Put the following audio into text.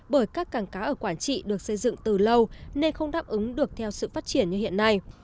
bởi các cảng cá ở quảng trị được xây dựng từ lâu nên không đáp ứng được theo sự phát triển như hiện nay